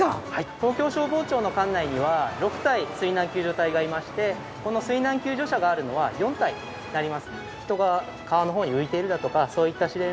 東京消防庁の管内には６隊水難救助隊がいましてこの水難救助車があるのは４隊になります。